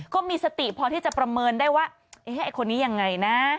ก็มีสติพอที่จะประเมินได้ว่าเอ๊ะไอ้คนนี้ยังไงนะ